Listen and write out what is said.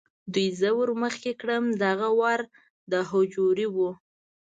دوی زه ور مخې کړم، دغه ور د هوجرې و.